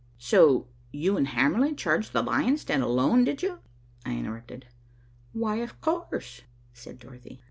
"So you and Hamerly charged the lion's den alone, did you?" I interrupted. "Why, of course," said Dorothy.